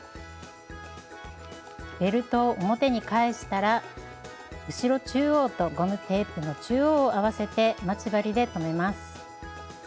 ベルトを表に返したら後ろ中央とゴムテープの中央を合わせて待ち針で留めます。